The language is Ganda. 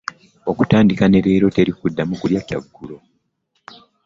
Okutandika ne leero teri kuddamu kulya kyaggulo.